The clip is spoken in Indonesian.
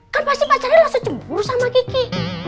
kan pasti pacarnya langsung jemburu sama kiki